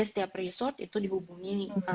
setiap resort itu dihubungi